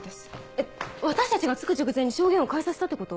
えっ私たちが着く直前に証言を変えさせたってこと？